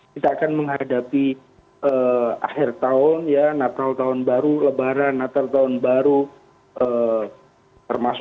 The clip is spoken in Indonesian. kita akan menghadapi akhir tahun natal tahun baru lebaran natal tahun baru termasuk tahun depan kita akan ada pesta demokrasi